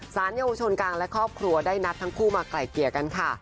สานเยี่ยมประชุนกลางและครอบครัวได้นัดทั้งคู่มาไกล่เกียร์กันค่ะ